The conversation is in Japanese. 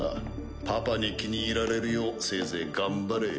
パパに気に入られるようせいぜい頑張れよ。